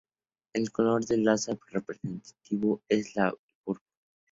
El color del lazo representativo es el púrpura.